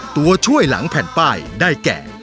ตัวช่วยหลังแผ่นป้ายได้แก่